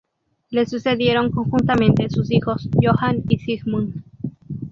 Le sucedieron conjuntamente sus hijos Johann y Siegmund.